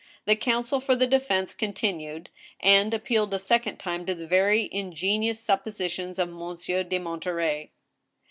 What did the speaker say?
The counsel for the defense continued, and appealed a second time to the very ingenious suppositions of Monsieur de Monterey.